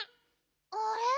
あれ？